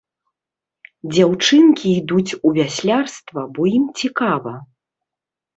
Дзяўчынкі ідуць у вяслярства, бо ім цікава.